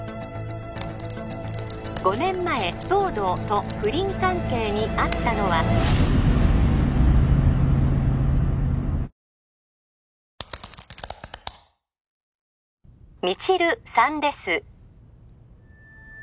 ５年前東堂と不倫関係にあったのは未知留さんです